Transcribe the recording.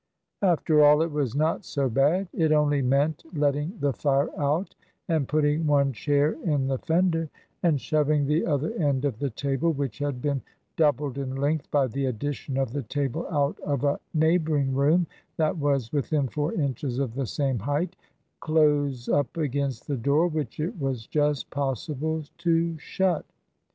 After all, it was not so bad. It only meant letting the fire out and putting one chair in the fender, and shoving the other end of the table (which had been doubled in length by the addition of the table out of a neighbouring room, that was within four inches of the same height) close up against the door, which it was just possible to shut.